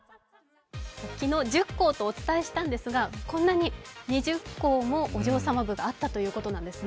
昨日１０校とお伝えしたんですが、こんなに、２０校もお嬢様部があったということです。